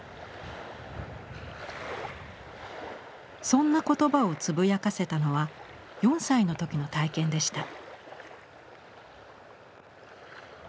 そんな言葉をつぶやかせたのは４歳の時の体験でした。